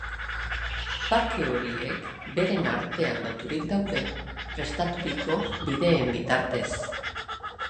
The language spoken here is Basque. Parke horiek beren artean loturik daude, prestaturiko bideen bitartez.